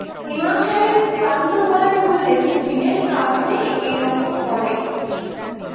ইমাম সাহেব ক্লান্ত গলায় বললেন, জিনের কারণে এ-রকম করে।